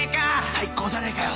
最高じゃねえかよ。